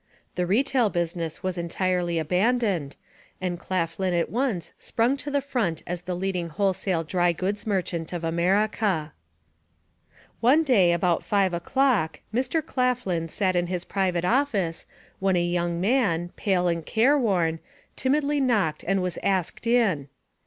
The retail business was entirely abandoned, and Claflin at once sprung to the front as the leading wholesale dry goods merchant of America. One day, about five o'clock, Mr. Claflin sat in his private office when a young man, pale and careworn, timidly knocked and was asked in.